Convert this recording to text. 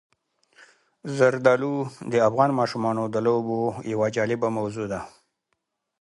زردالو د افغان ماشومانو د لوبو یوه جالبه موضوع ده.